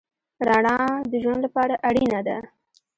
رڼا د ژوند لپاره اړینه ده.